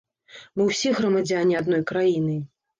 Мы ўсе грамадзяне адной краіны.